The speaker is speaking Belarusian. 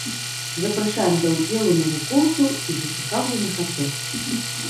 Запрашаем да ўдзелу навукоўцаў і зацікаўленых асоб.